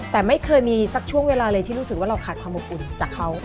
แต่ไม่เคยมีสักช่วงเวลาเลยที่รู้สึกว่าเราขาดความอบอุ่นจากเขา